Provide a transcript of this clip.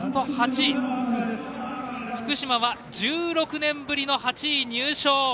福島は１６年ぶりの８位入賞。